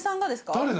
誰だ？